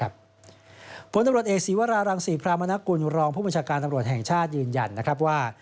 ผลตำรวจเอกศีวรารังศรีพรามนกุลรองผู้บัญชาการตำรวจแห่งชาติยืนยันนะครับว่า